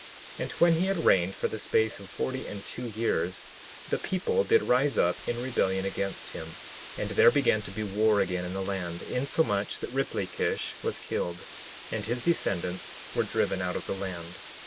10:8 And when he had reigned for the space of forty and two years the people did rise up in rebellion against him; and there began to be war again in the land, insomuch that Riplakish was killed, and his descendants were driven out of the land.